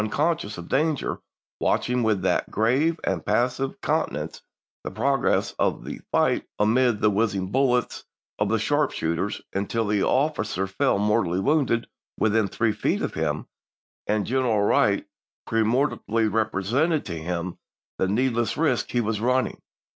conscious of danger, watching, with that grave and passive countenance, the progress of the fight amid the whizzing bullets of the sharp shooters, until an officer fell mortally wounded within three feet of him, and General Wright peremptorily represented to him the needless risk he was running.